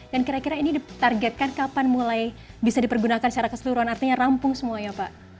dan kira kira ini ditargetkan kapan mulai bisa dipergunakan secara keseluruhan artinya rampung semuanya pak